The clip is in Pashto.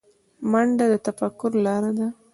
منډه د تفکر لاره ده